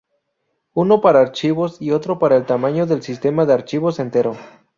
Uno para archivos y otro para el tamaño del sistema de archivos entero.